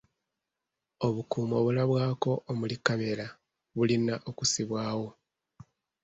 Obukuumi obulabwako omuli kkamera bulina okussibwawo.